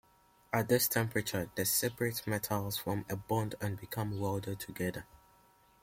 At this temperature the separate metals form a bond and become welded together.